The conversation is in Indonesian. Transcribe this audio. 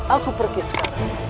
aku pergi sekarang